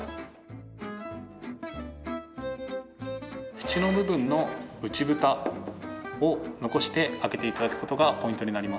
縁の部分の内ブタを残して開けて頂く事がポイントになります。